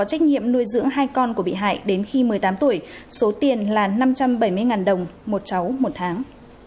trách nhiệm nuôi dưỡng hai con của bị hại đến khi một mươi tám tuổi số tiền là năm trăm bảy mươi đồng một cháu một tháng